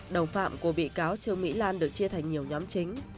đồng phạm của bị cáo trương mỹ lan được chia thành nhiều nhóm chính